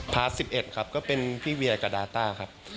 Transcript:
๑๑ครับก็เป็นพี่เวียกับดาต้าครับ